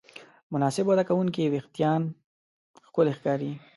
مناسب وده کوونکي وېښتيان ښکلي ښکاري.